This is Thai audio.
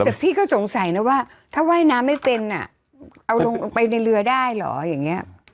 แต่พี่ก็สงสัยนะว่าถ้าว่ายน้ำไม่เป็นอ่ะเอาลงไปในเรือได้เหรออย่างนี้